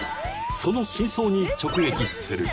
その真相に直撃する］